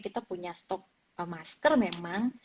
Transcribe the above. kita punya stok masker memang